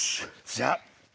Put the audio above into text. じゃあ。